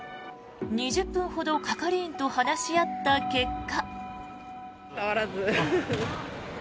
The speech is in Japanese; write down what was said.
２０分ほど係員と話し合った結果。